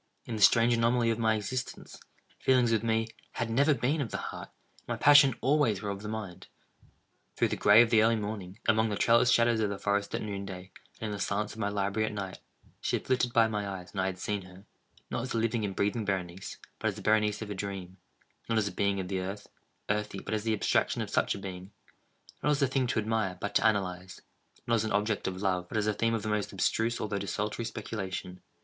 In the strange anomaly of my existence, feelings with me, had never been of the heart, and my passions always were of the mind. Through the gray of the early morning—among the trellised shadows of the forest at noonday—and in the silence of my library at night—she had flitted by my eyes, and I had seen her—not as the living and breathing Berenice, but as the Berenice of a dream; not as a being of the earth, earthy, but as the abstraction of such a being; not as a thing to admire, but to analyze; not as an object of love, but as the theme of the most abstruse although desultory speculation.